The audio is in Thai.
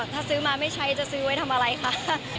ถ้าซื้อมาไม่ใช้จะซื้อไว้ทำอะไรคะ